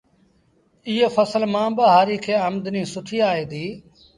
ايئي ڦسل مآݩ با هآريٚ کي آمدنيٚ سُٺيٚ آئي ديٚ